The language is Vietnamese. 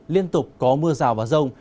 liên tục có mưa rào vào rông